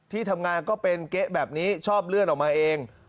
ที่ทำงานก็เป็นเก๊ะแบบนี้ชอบเลื่อนออกมาเอง